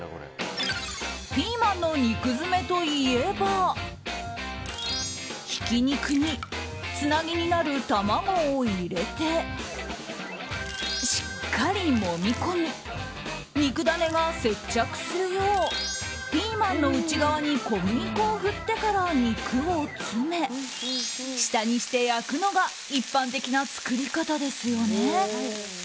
ピーマンの肉詰めといえばひき肉につなぎになる卵を入れてしっかりもみ込み肉ダネが接着するようピーマンの内側に小麦粉を振ってから肉を詰め下にして焼くのが一般的な作り方ですよね。